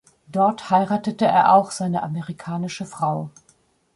Dort heiratete er auch seine amerikanische Frau.